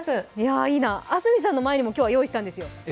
安住さんの前にも用意したんですよ。